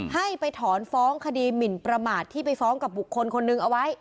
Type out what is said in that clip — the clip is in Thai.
ให้ไปถอนฟ้องคดีหมินประมาทที่ไปฟ้องกับบุคคลคนนึงเอาไว้